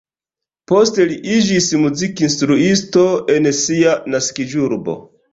Poste li iĝis muzikinstruisto en sia naskiĝurbo.